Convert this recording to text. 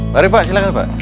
mari pak silahkan pak